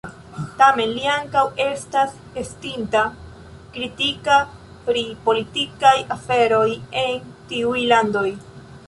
Tamen li ankaŭ estas estinta kritika pri politikaj aferoj en tiuj landoj.